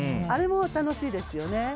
あれも楽しいですよね。